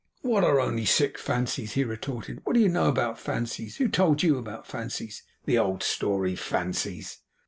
'What are only sick fancies?' he retorted. 'What do you know about fancies? Who told you about fancies? The old story! Fancies!